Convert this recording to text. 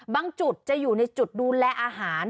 จุดจะอยู่ในจุดดูแลอาหาร